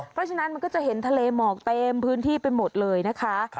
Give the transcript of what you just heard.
เพราะฉะนั้นมันก็จะเห็นทะเลหมอกเต็มพื้นที่ไปหมดเลยนะคะ